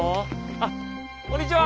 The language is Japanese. あっこんにちは！